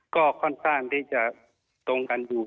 ก็ค่อนข้างที่จะตรงกันอยู่